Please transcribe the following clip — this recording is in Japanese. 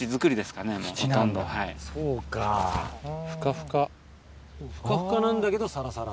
フカフカなんだけどサラサラ。